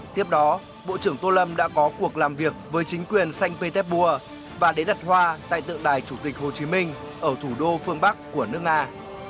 tiếp đó bộ trưởng tô lâm đã có cuộc làm việc với chính quyền sanh petersburg và đế đặt hoa tại tượng đài chủ tịch hồ chí minh ở thủ đô phương bắc của nước nga